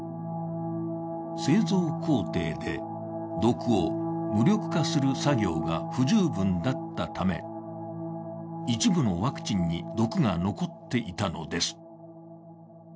製造工程で毒を無力化する作業が不十分だったため一部のワクチンに毒が残っていたのです。